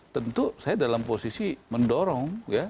tentu saya dalam posisi mendorong ya